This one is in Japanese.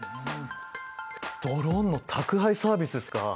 ドローンの宅配サービスですか。